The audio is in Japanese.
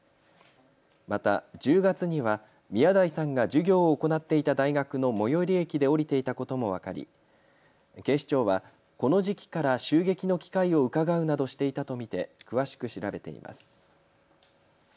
また１０月には宮台さんが授業を行っていた大学の最寄り駅で降りていたことも分かり、警視庁はこの時期から襲撃の機会をうかがうなどしていたと見て詳しく調べています。